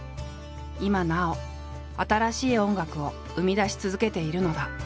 今なお新しい音楽を生み出し続けているのだ。